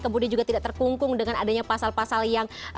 kemudian juga tidak terkungkung dengan adanya pasal pasal yang